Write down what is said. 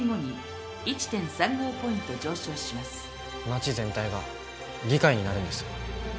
町全体が議会になるんです。